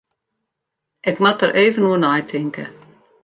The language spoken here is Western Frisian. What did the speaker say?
Ik moat der even oer neitinke.